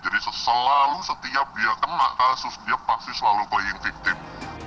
jadi selalu setiap dia kena kasus dia pasti selalu playing victim